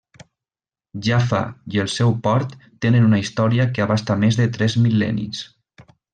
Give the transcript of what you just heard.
Jaffa i el seu port tenen una història que abasta més de tres mil·lennis.